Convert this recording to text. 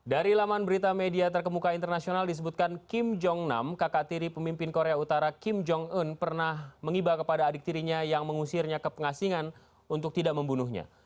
dari laman berita media terkemuka internasional disebutkan kim jong nam kakak tiri pemimpin korea utara kim jong un pernah mengiba kepada adik tirinya yang mengusirnya ke pengasingan untuk tidak membunuhnya